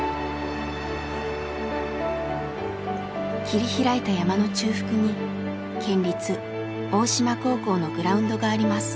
切り開いた山の中腹に県立大島高校のグラウンドがあります。